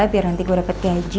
biar nanti gue dapat gaji